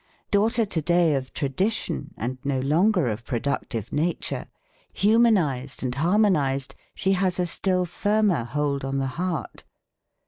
Daughter to day of tradition and no longer of productive nature, humanised and harmonised, she has a still firmer hold on the heart.